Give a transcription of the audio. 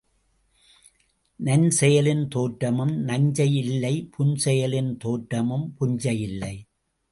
நன்செயலின் தோற்றமும் நஞ்சையிலில்லை புன்செயலின் தோற்றமும் புஞ்சையிலில்லை.